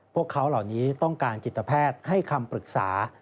พวกเขาเหล่านี้ต้องการจิตแพทย์ให้คำปรึกษา